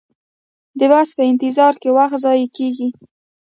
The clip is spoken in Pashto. د بس په انتظار کې وخت ضایع کیږي